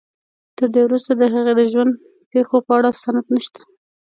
تر دې وروسته د هغې د ژوند پېښو په اړه سند نشته.